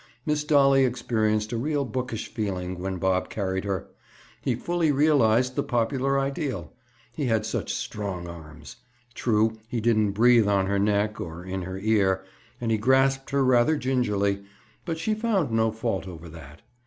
Miss Dolly experienced a real bookish feeling when Bob carried her. He fully realized the popular ideal, he had such strong arms. True, he didn't breathe on her neck, or in her ear, and he grasped her rather gingerly, but she found no fault over that.